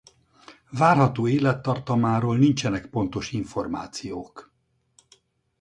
Várható élettartamáról nincsenek pontos információk.